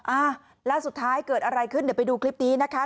อ่าแล้วสุดท้ายเกิดอะไรขึ้นเดี๋ยวไปดูคลิปนี้นะคะ